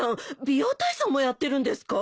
美容体操もやってるんですか？